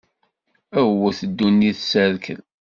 Iwwet ddunit, s rrkel.